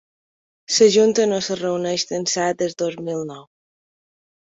La junta no es reuneix d’ençà del dos mil nou.